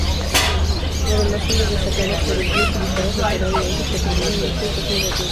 Además, son de destacar las torrecillas ubicadas lateralmente, que terminan en puntas muy agudas.